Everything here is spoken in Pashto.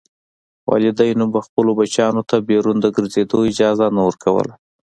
والدینو به خپلو بچیانو ته بیرون د ګرځېدو اجازه نه ورکوله.